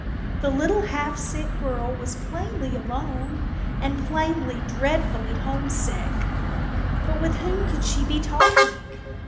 The little half sick girl was plainly alone and plainly dreadfully homesick, but with whom could she be talking?